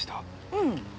うん。